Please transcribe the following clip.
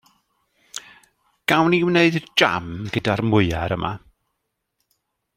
Gawn ni wneud jam gyda'r mwyar yma?